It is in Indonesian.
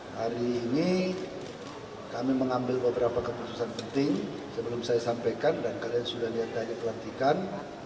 hari ini kami mengambil beberapa keputusan penting sebelum saya sampaikan dan kalian sudah lihat tadi pelantikan